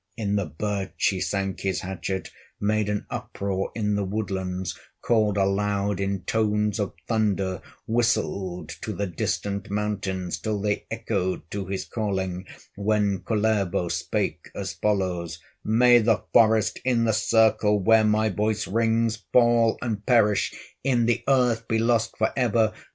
In the birch he sank his hatchet, Made an uproar in the woodlands, Called aloud in tones of thunder, Whistled to the distant mountains, Till they echoed to his calling, When Kullervo spake as follows: "May the forest, in the circle Where my voice rings, fall and perish, In the earth be lost forever!